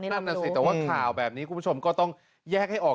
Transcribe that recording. แต่ว่าข่าวแบบนี้คุณผู้ชมก็ต้องแยกให้ออก